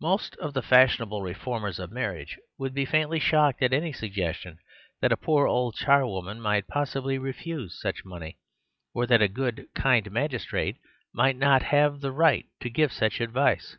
Most of the fashionable reform ers of marriage would be faintly shocked at any suggestion that a poor old charwoman might possibly refuse such money, or that a good kind magistrate might not have the right to give such advice.